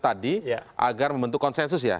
tadi agar membentuk konsensus ya